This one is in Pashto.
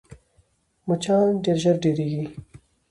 مچان ډېر ژر ډېرېږي